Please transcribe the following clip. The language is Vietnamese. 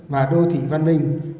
và đô thị văn minh